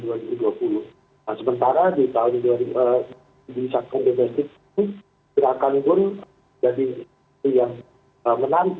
nah sementara di sektor domestik ini pergerakan pun jadi yang menang